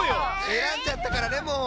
えらんじゃったからねもう。